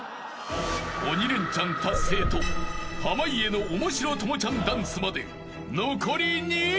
［鬼レンチャン達成と濱家のおもしろ朋ちゃんダンスまで残り２曲］